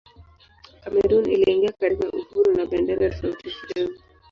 Kamerun iliingia katika uhuru na bendera tofauti kidogo.